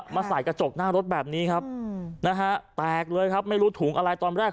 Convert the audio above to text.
มาใส่กระจกหน้ารถแบบนี้ครับนะฮะแตกเลยครับไม่รู้ถุงอะไรตอนแรก